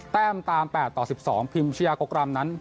แต้มตาม๘ต่อ๑๒พิมพิชยากกรัมนั้น